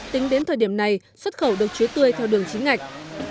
tính đến thời điểm này xuất khẩu được chuối tươi theo đường chính ngạch